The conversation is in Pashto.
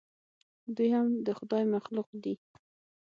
دوى هم د خداى مخلوق دي.